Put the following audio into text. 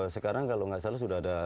sekarang kalau nggak salah sudah ada